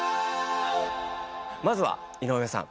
まずは井上さん。